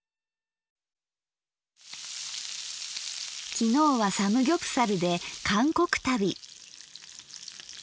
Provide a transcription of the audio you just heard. きのうはサムギョプサルで韓国旅。